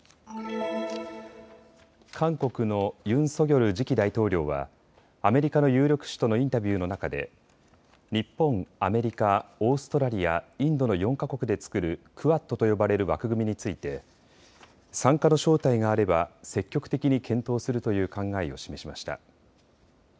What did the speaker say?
韓国のユン・ソギョル次期大統領はアメリカの有力紙とのインタビューの中で日本、アメリカ、オーストラリア、インドの４か国で作るクワッドと呼ばれる枠組みについて参加の招待があれば積極的に検討するという考えを示しました。